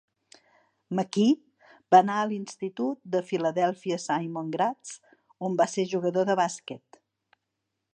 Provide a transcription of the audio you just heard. McKie va anar a l'institut de Philadelphia Simon Gratz, on va ser jugador de bàsquet.